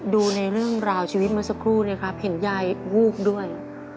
ดูในเรื่องราวชีวิตเมื่อสักครู่นะครับเห็นยายวูบด้วย